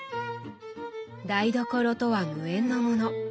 台所とは無縁のもの。